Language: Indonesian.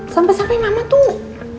sampai sampai mama tuh